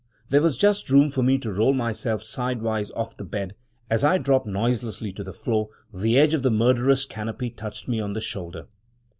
There was just room for me to roll myself sidewise off the bed. As I dropped noiselessly to the floor, the edge of the murderous canopy touched me on the shoulder.